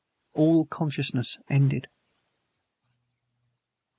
. all consciousness ended.